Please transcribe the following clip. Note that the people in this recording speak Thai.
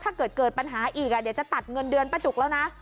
ถ้าเกิดเกิดปัญหาอีกเดี๋ยวจะตัดเงินเดือนป้าจุกแล้วนะ